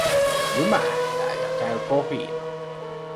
Jymähtää, ja käy kohina.